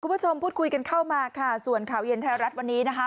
คุณผู้ชมพูดคุยกันเข้ามาค่ะส่วนข่าวเย็นไทยรัฐวันนี้นะคะ